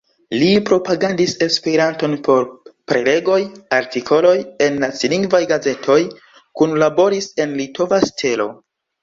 Li propagandis Esperanton per prelegoj, artikoloj en nacilingvaj gazetoj, kunlaboris en "Litova Stelo".